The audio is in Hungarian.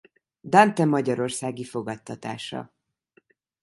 Dante magyarországi fogadtatása.